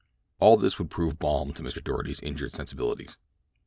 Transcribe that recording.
All this would prove balm to Mr. Doarty's injured sensibilities.